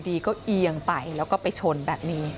อียางไปแล้วก็ไปชนแบบนี้